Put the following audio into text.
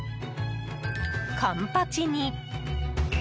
カンパチに。